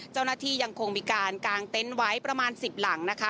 เจ้าหน้าที่ยังคงมีการกางเต็นต์ไว้ประมาณ๑๐หลังนะคะ